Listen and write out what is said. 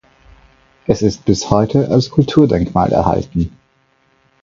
Es ist bis heute als Kulturdenkmal erhalten.